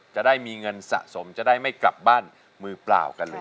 จะได้มีเงินสะสมจะได้ไม่กลับบ้านมือเปล่ากันเลย